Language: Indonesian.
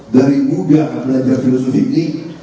dari muda belajar filosofi ini